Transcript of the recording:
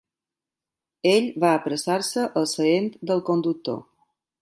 Ell va apressar-se al seient del conductor.